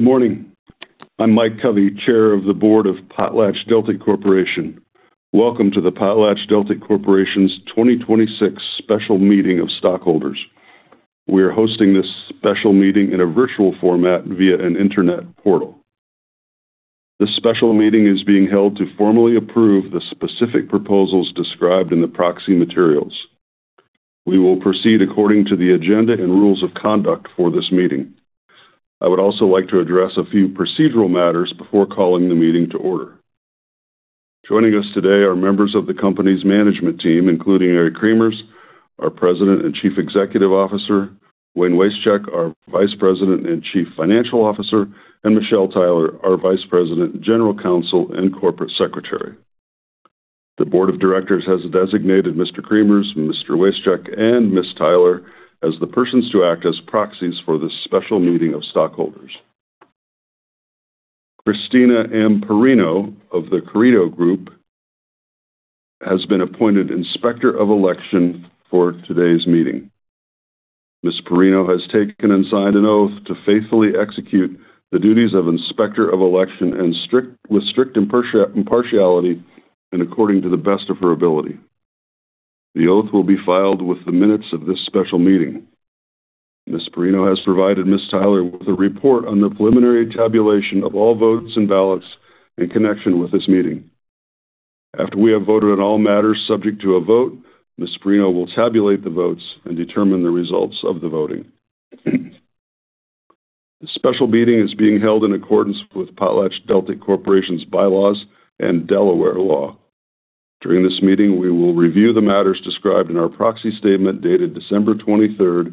Good morning. I'm Mike Covey, Chair of the Board of PotlatchDeltic Corporation. Welcome to the PotlatchDeltic Corporation's 2026 Special Meeting of Stockholders. We are hosting this special meeting in a virtual format via an internet portal. This special meeting is being held to formally approve the specific proposals described in the proxy materials. We will proceed according to the agenda and rules of conduct for this meeting. I would also like to address a few procedural matters before calling the meeting to order. Joining us today are members of the company's management team, including Eric Cremers, our President and Chief Executive Officer; Wayne Wasechek, our Vice President and Chief Financial Officer; and Michele Tyler, our Vice President, General Counsel, and Corporate Secretary. The Board of Directors has designated Mr. Cremers, Mr. Wasechek, and Ms. Tyler as the persons to act as proxies for this special meeting of stockholders. Kristina M. Perino Perino of the Carideo Group has been appointed Inspector of Election for today's meeting. Ms. Perino has taken and signed an oath to faithfully execute the duties of Inspector of Election with strict impartiality and according to the best of her ability. The oath will be filed with the minutes of this special meeting. Ms. Perino has provided Ms. Tyler with a report on the preliminary tabulation of all votes and ballots in connection with this meeting. After we have voted on all matters subject to a vote, Ms. Perino will tabulate the votes and determine the results of the voting. This special meeting is being held in accordance with PotlatchDeltic Corporation's bylaws and Delaware law. During this meeting, we will review the matters described in our proxy statement dated December 23rd,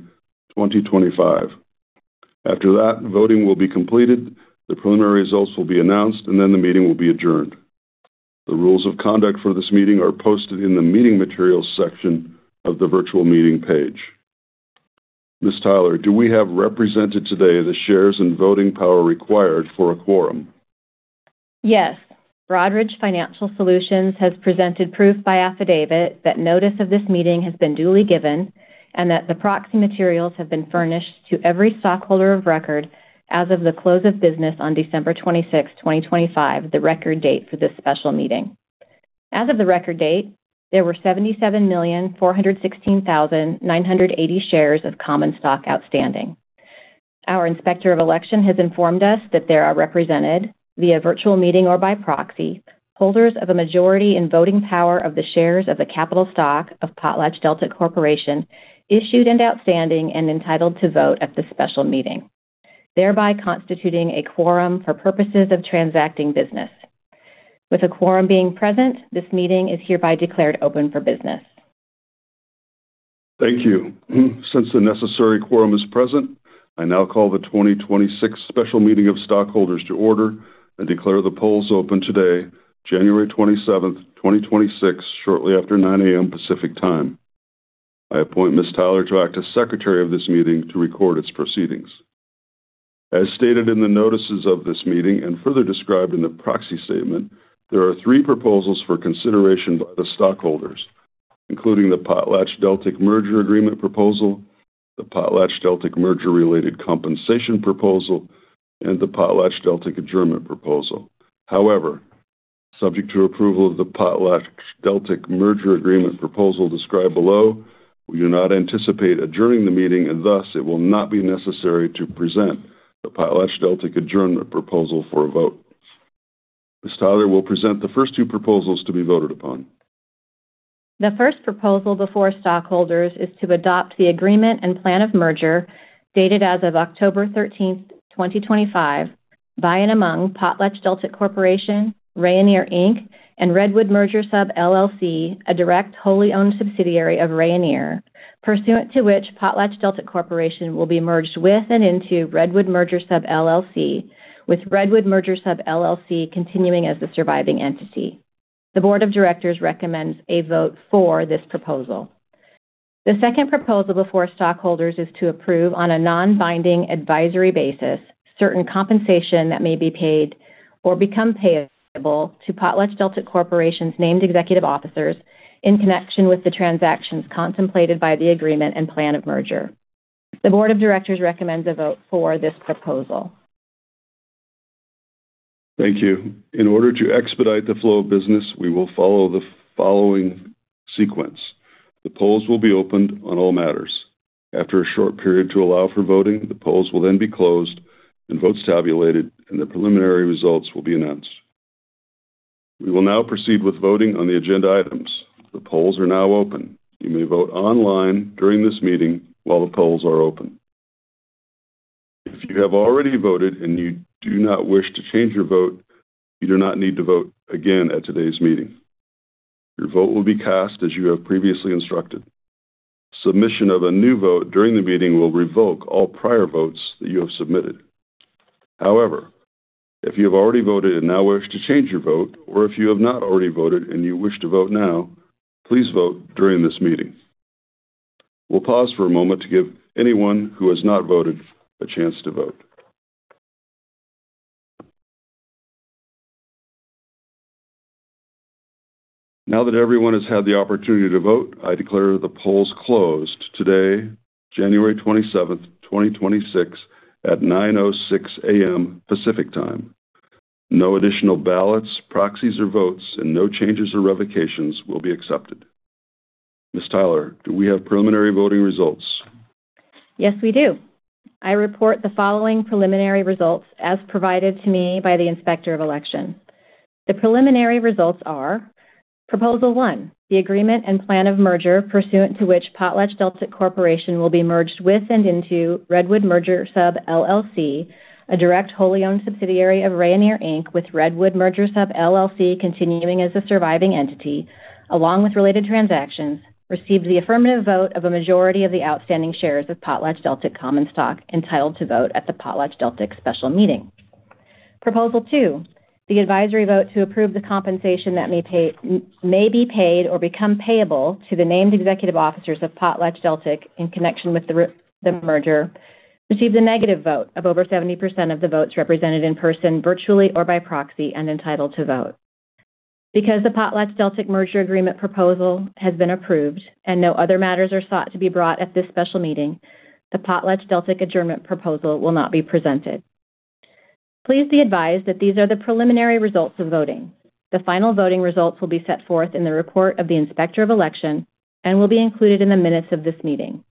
2025. After that, voting will be completed, the preliminary results will be announced, and then the meeting will be adjourned. The rules of conduct for this meeting are posted in the meeting materials section of the virtual meeting page. Ms. Tyler, do we have represented today the shares and voting power required for a quorum? Yes. Broadridge Financial Solutions has presented proof by affidavit that notice of this meeting has been duly given and that the proxy materials have been furnished to every stockholder of record as of the close of business on December 26th, 2025, the record date for this special meeting. As of the record date, there were 77,416,980 shares of common stock outstanding. Our Inspector of Election has informed us that there are represented, via virtual meeting or by proxy, holders of a majority in voting power of the shares of the capital stock of PotlatchDeltic Corporation issued and outstanding and entitled to vote at the special meeting, thereby constituting a quorum for purposes of transacting business. With a quorum being present, this meeting is hereby declared open for business. Thank you. Since the necessary quorum is present, I now call the 2026 Special Meeting of Stockholders to order and declare the polls open today, January 27th, 2026, shortly after 9:00 A.M. Pacific Time. I appoint Ms. Tyler to act as Secretary of this meeting to record its proceedings. As stated in the notices of this meeting and further described in the proxy statement, there are three proposals for consideration by the stockholders, including the PotlatchDeltic merger agreement proposal, the PotlatchDeltic merger-related compensation proposal, and the PotlatchDeltic adjournment proposal. However, subject to approval of the PotlatchDeltic merger agreement proposal described below, we do not anticipate adjourning the meeting, and thus it will not be necessary to present the PotlatchDeltic adjournment proposal for a vote. Ms. Tyler will present the first two proposals to be voted upon. The first proposal before stockholders is to adopt the Agreement and Plan of Merger dated as of October 13th, 2025, by and among PotlatchDeltic Corporation, Rayonier Inc., and Redwood Merger Sub LLC, a direct wholly owned subsidiary of Rayonier, pursuant to which PotlatchDeltic Corporation will be merged with and into Redwood Merger Sub LLC, with Redwood Merger Sub LLC continuing as the surviving entity. The Board of Directors recommends a vote for this proposal. The second proposal before stockholders is to approve, on a non-binding advisory basis, certain compensation that may be paid or become payable to PotlatchDeltic Corporation's named executive officers in connection with the transactions contemplated by the Agreement and Plan of Merger. The Board of Directors recommends a vote for this proposal. Thank you. In order to expedite the flow of business, we will follow the following sequence. The polls will be opened on all matters. After a short period to allow for voting, the polls will then be closed and votes tabulated, and the preliminary results will be announced. We will now proceed with voting on the agenda items. The polls are now open. You may vote online during this meeting while the polls are open. If you have already voted and you do not wish to change your vote, you do not need to vote again at today's meeting. Your vote will be cast as you have previously instructed. Submission of a new vote during the meeting will revoke all prior votes that you have submitted. However, if you have already voted and now wish to change your vote, or if you have not already voted and you wish to vote now, please vote during this meeting. We'll pause for a moment to give anyone who has not voted a chance to vote. Now that everyone has had the opportunity to vote, I declare the polls closed today, January 27th, 2026, at 9:06 A.M. Pacific Time. No additional ballots, proxies, or votes, and no changes or revocations will be accepted. Ms. Tyler, do we have preliminary voting results? Yes, we do. I report the following preliminary results as provided to me by the Inspector of Election. The preliminary results are: Proposal One, the agreement and plan of merger pursuant to which PotlatchDeltic Corporation will be merged with and into Redwood Merger Sub LLC, a direct wholly owned subsidiary of Rayonier Inc., with Redwood Merger Sub LLC continuing as the surviving entity, along with related transactions, received the affirmative vote of a majority of the outstanding shares of PotlatchDeltic common stock entitled to vote at the PotlatchDeltic special meeting. Proposal Two, the advisory vote to approve the compensation that may be paid or become payable to the named executive officers of PotlatchDeltic in connection with the merger received a negative vote of over 70% of the votes represented in person, virtually, or by proxy, and entitled to vote. Because the PotlatchDeltic merger agreement proposal has been approved and no other matters are sought to be brought at this special meeting, the PotlatchDeltic adjournment proposal will not be presented. Please be advised that these are the preliminary results of voting. The final voting results will be set forth in the report of the Inspector of Election and will be included in the minutes of this meeting.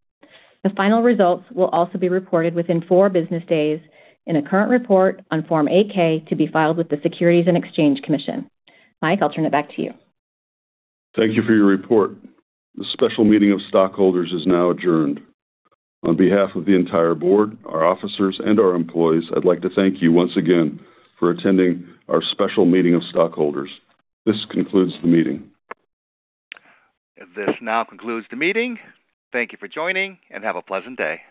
The final results will also be reported within four business days in a current report on Form 8-K to be filed with the U.S. Securities and Exchange Commission. Mike, I'll turn it back to you. Thank you for your report. The special meeting of stockholders is now adjourned. On behalf of the entire board, our officers, and our employees, I'd like to thank you once again for attending our special meeting of stockholders. This concludes the meeting. This now concludes the meeting. Thank you for joining and have a pleasant day.